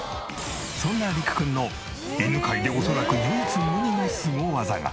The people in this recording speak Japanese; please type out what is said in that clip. そんなリクくんの犬界で恐らく唯一無二のスゴ技が。